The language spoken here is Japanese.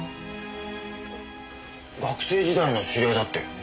学生時代の知り合いだって。